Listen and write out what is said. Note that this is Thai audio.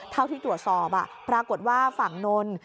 เท่าที่ตรวจสอบปรากฏว่าฝั่งนนท์